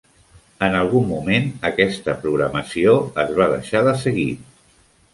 En algun moment, aquesta programació es va deixar de seguir.